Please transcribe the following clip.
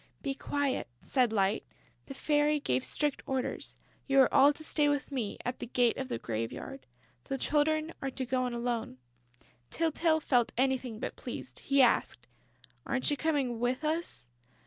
"Be quiet," said Light. "The Fairy gave strict orders. You are all to stay with me, at the gate of the graveyard; the Children are to go in alone." Tyltyl felt anything but pleased. He asked: "Aren't you coming with us?"